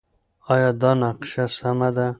ایا دا نقشه سمه ده؟